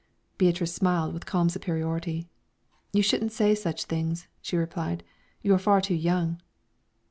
Beatrice smiled with calm superiority. "You shouldn't say such things," she replied; "you're far too young."